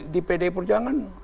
di pd perjuangan